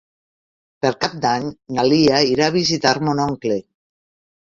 Per Cap d'Any na Lia irà a visitar mon oncle.